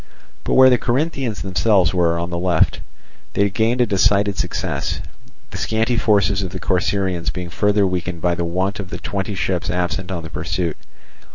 But where the Corinthians themselves were, on the left, they gained a decided success; the scanty forces of the Corcyraeans being further weakened by the want of the twenty ships absent on the pursuit.